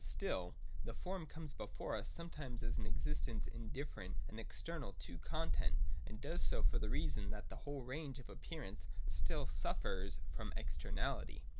Still the form comes before us sometimes as an existence indifferent and external to content, and does so for the reason that the whole range of Appearance still suffers from externality.